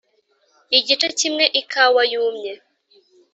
igice kimwe ikawa yumye